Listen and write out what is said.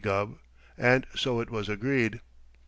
Gubb, and so it was agreed.